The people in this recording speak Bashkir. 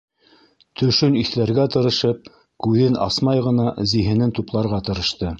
Төшөн иҫләргә тырышып, күҙен асмай ғына зиһенен тупларға тырышты.